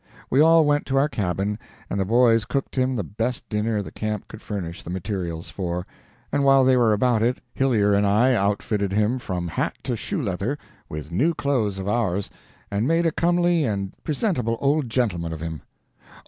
We all went to our cabin, and the boys cooked him the best dinner the camp could furnish the materials for, and while they were about it Hillyer and I outfitted him from hat to shoe leather with new clothes of ours, and made a comely and presentable old gentleman of him.